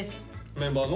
メンバーの？